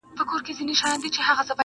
شب ګیرو راته سرې کړي ستا له لاسه،